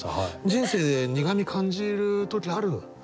人生で苦み感じる時ある？